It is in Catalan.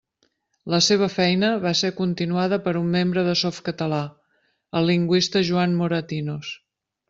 La seva feina va ser continuada per un membre de Softcatalà, el lingüista Joan Moratinos.